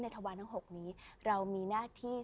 ทวารทั้ง๖นี้เรามีหน้าที่